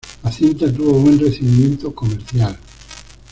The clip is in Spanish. La cinta tuvo buen recibimiento comercial.